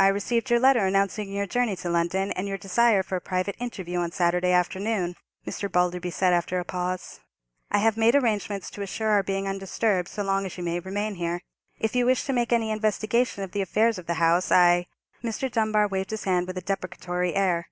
"I received your letter announcing your journey to London, and your desire for a private interview, on Saturday afternoon," Mr. Balderby said, after a pause. "I have made arrangements to assure our being undisturbed so long as you may remain here. If you wish to make any investigation of the affairs of the house, I——" Mr. Dunbar waved his hand with a deprecatory air.